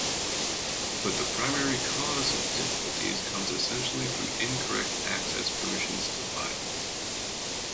But the primary cause of difficulties comes essentially from incorrect access permissions to files.